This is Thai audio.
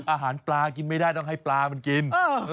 อาหารปลากินไม่ได้ต้องให้ปลามันกิน